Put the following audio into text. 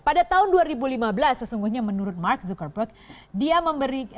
pada tahun dua ribu lima belas sesungguhnya menurut mark zuckerberg